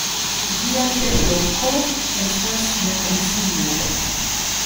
Ĝia ĉefloko estas Mendrisio.